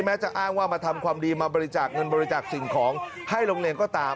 จะอ้างว่ามาทำความดีมาบริจาคเงินบริจาคสิ่งของให้โรงเรียนก็ตาม